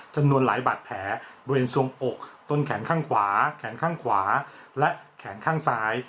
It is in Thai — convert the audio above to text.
จำนวนหลายบาดแผลบริเวณสวงอกต้นแขนข้างขวาแขนข้างขวาและแขนข้างซ้าย